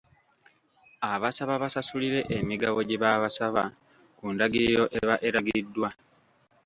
Abasaba basasulira emigabo gye baba basaba ku ndagiriro eba eragiddwa.